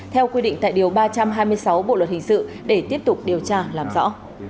theo quy định tại điều ba trăm hai mươi sáu bộ luật hình sự để tiếp tục điều tra làm rõ